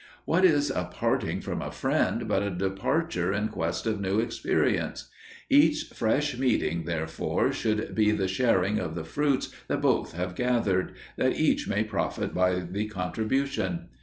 What is a parting from a friend but a departure in quest of new experience? Each fresh meeting, therefore, should be the sharing of the fruits that both have gathered, that each may profit by the contribution.